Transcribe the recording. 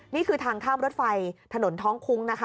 นี่คือทางข้ามรถไฟถนนท้องคุ้งนะคะ